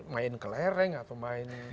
main kelereng atau main